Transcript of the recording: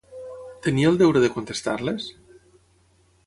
Tenia el deure de contestar-les?